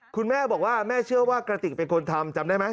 คุณแม่บอกว่าแม่เชื่อว่ากระติกเป็นคนทำจำได้ไหม